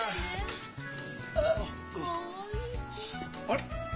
あれ？